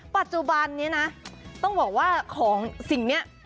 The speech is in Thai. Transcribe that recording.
ปัจจุบันนี้นะต้องบอกว่าของสิ่งนี้